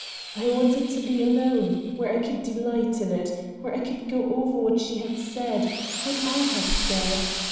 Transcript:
I wanted to be alone, where I could delight in it, where I could go over what she had said; what I had said.